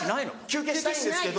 休憩したいんですけど。